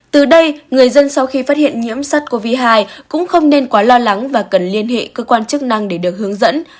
từ đây người dân sau khi phát hiện nhiễm sắc covid một mươi chín cũng không nên quá lo lắng và cần liên hệ cơ quan chức năng để được hướng dẫn